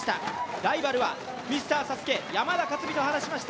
ライバルはミスターＳＡＳＵＫＥ山田勝己と話しました。